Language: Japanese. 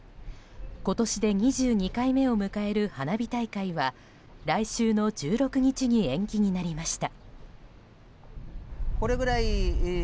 今年で２２回目を迎える花火大会は来週の１６日に延期になりました。